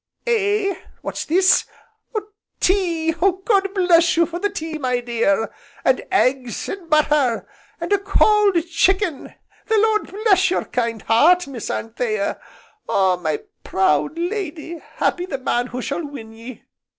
Eh, what's this? Tea! God bless you for the tea, my dear! And eggs, and butter, and a cold chicken! the Lord bless your kind heart, Miss Anthea! Ah, my proud lady, happy the man who shall win ye!